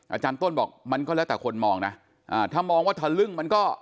อาจารย์ต้นบอกมันก็แล้วแต่คนมองนะอ่าถ้ามองว่าทะลึ่งมันก็